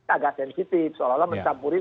agak sensitif seolah olah mencampuri